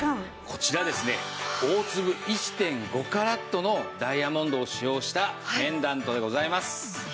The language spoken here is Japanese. こちらですね大粒１．５カラットのダイヤモンドを使用したペンダントでございます。